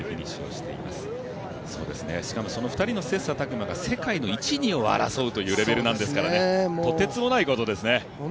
しかも、２人の切磋琢磨が世界の１、２を争うという形ですからとてつもないことですね。